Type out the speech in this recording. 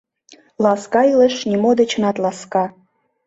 Ласка илыш нимо дечынат ласка.